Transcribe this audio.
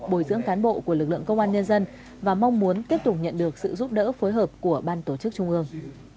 bồi dưỡng cán bộ của lực lượng công an nhân dân và mong muốn tiếp tục nhận được sự giúp đỡ phối hợp của ban tổ chức trung ương